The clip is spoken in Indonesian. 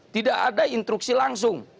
tidak ada instruksi langsung